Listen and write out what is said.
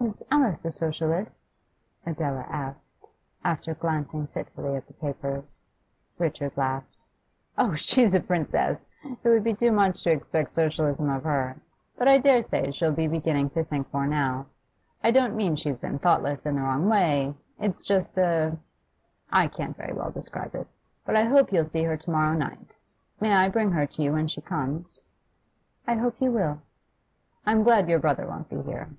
'Is Alice a Socialist?' Adela asked, after glancing fitfully at the papers. Richard laughed. 'Oh, she's a princess; it would be too much to expect Socialism of her. But I dare say she'll be beginning to think more now. I don't mean she's been thoughtless in the wrong way; it's just a I can't very well describe it. But I hope you'll see her to morrow night May I bring her to you when she comes?' 'I hope you will.' 'I'm glad your brother won't be here.